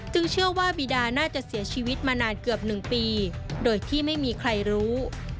เชื่อว่าบีดาน่าจะเสียชีวิตมานานเกือบ๑ปีโดยที่ไม่มีใครรู้